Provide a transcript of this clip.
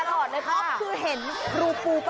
น้องออฟเซียนปู